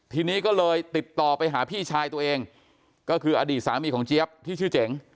ทีนี้ก็เลยติดต่อไปหาพี่ชายตัวเองก็คืออดีตสามีของเจี๊ยบที่ชื่อเจ๋ง